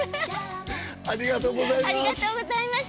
ありがとうございます。